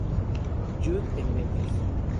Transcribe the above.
Jude, en Memphis.